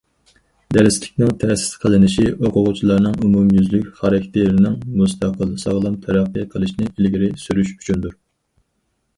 دەرسلىكنىڭ تەسىس قىلىنىشى ئوقۇغۇچىلارنىڭ ئومۇميۈزلۈك خاراكتېرىنىڭ مۇستەقىل، ساغلام تەرەققىي قىلىشىنى ئىلگىرى سۈرۈش ئۈچۈندۇر.